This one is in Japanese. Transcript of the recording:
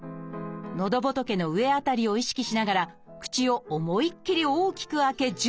のどぼとけの上辺りを意識しながら口を思いっきり大きく開け１０秒キープ。